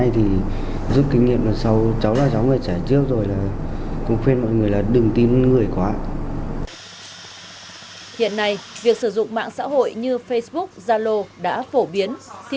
thì việc kết bạn thiết lập mạng xã hội như facebook zalo đã phổ biến